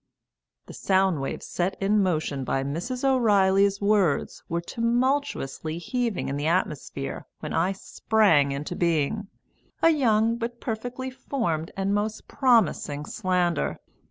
The sound waves set in motion by Mrs. O'Reilly's words were tumultuously heaving in the atmosphere when I sprang into being, a young but perfectly formed and most promising slander.